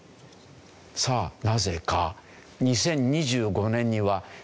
さあなぜか？